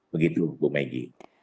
begitu bu megi